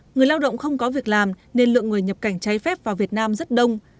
người lao động không có việc làm nên lượng người nhập cảnh trái phép vào việt nam rất đông